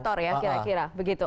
atau provokator ya kira kira begitu